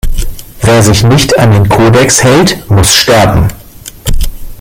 Wer sich nicht an den Kodex hält, muss sterben!